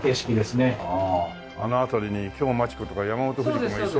あの辺りに京マチ子とか山本富士子がいそうですね。